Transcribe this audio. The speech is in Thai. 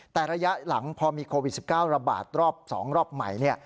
แต่ระยะหลังพอมีโควิด๑๙ระบาดรอบ๒รอบใหม่